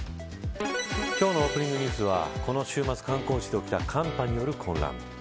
今日のオープニングニュースはこの週末、観光地で起きた寒波による混乱。